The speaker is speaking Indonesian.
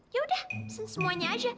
yaudah semuanya aja